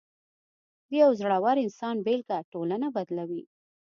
د یو زړور انسان بېلګه ټولنه بدلوي.